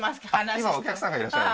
今お客さんがいらっしゃる？